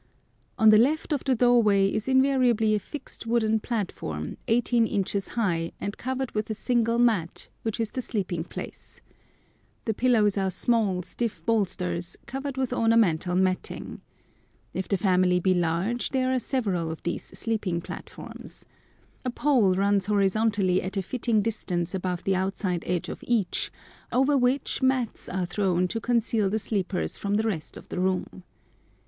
On the left of the doorway is invariably a fixed wooden platform, eighteen inches high, and covered with a single mat, which is the sleeping place. The pillows are small stiff bolsters, covered with ornamental matting. If the family be large there are several of these sleeping platforms. A pole runs horizontally at a fitting distance above the outside edge of each, over which mats are thrown to conceal the sleepers from the rest of the room.